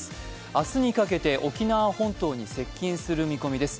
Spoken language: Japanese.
明日にかけて沖縄本島に接近する見込みです。